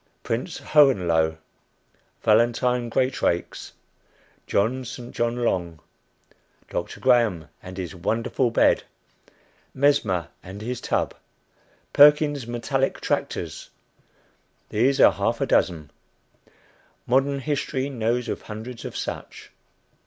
Prince Hohenlohe, Valentine Greatrakes, John St. John Long, Doctor Graham and his wonderful bed, Mesmer and his tub, Perkins' metallic tractors these are half a dozen. Modern history knows of hundreds of such.